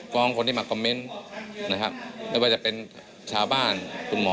ฟ้องคนที่มาคอมเมนต์ไม่ว่าจะเป็นชาวบ้านทุกหมอ